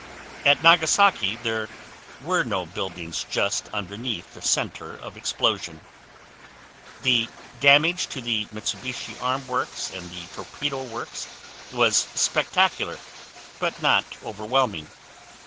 At Nagasaki there were no buildings just underneath the center of explosion. The damage to the Mitsubishi Arms Works and the Torpedo Works was spectacular, but not overwhelming.